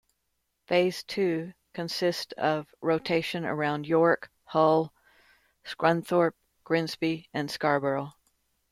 Phase two consists of rotation around York, Hull, Scunthorpe, Grimsby and Scarborough.